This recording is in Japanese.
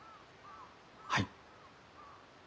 はい。